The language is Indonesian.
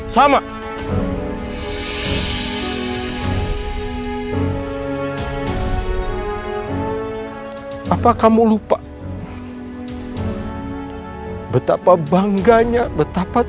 papa akan melakukan hal yang sama